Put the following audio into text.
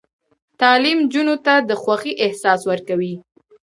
تعلیم نجونو ته د خوښۍ احساس ورکوي.